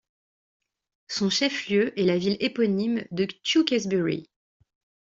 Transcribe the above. Son chef-lieu est la ville éponyme de Tewkesbury.